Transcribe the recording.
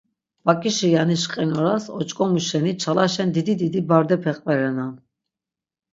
Bak̆işi yaniş qinoras oç̆k̆omu şeni çalaşen didi didi bardepe qverenan.